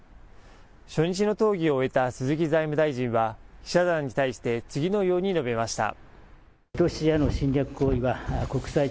初日の討議を終えた鈴木財務大臣は記者団に対して次のように述べました。